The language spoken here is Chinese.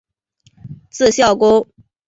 字孝公。